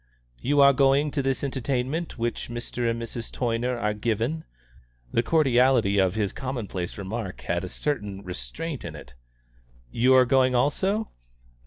"You are going to this entertainment which Mr. and Mrs. Toyner are giving?" The cordiality of his common place remark had a certain restraint in it. "You are going also?"